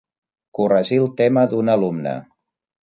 Corregir el tema d'un alumne.